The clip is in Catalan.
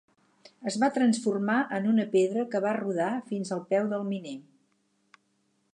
Es va transformar en una pedra que va rodar fins al peu del miner.